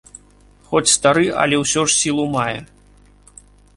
Хоць стары, але ўсё ж сілу мае.